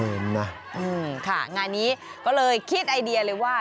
ค่ะงานนี้ก็เลยคิดไอเดียเลยว่า